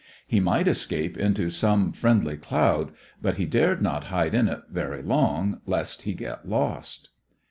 He might escape into some friendly cloud, but he dared not hide in it very long, lest he get lost.